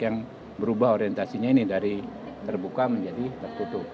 yang berubah orientasinya ini dari terbuka menjadi tertutup